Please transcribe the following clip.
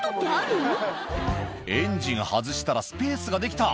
エンジン外したら、スペースが出来た。